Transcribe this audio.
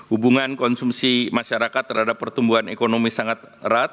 hubungan konsumsi masyarakat terhadap pertumbuhan ekonomi sangat erat